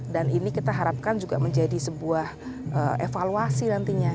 dan ini kita harapkan juga menjadi sebuah evaluasi nantinya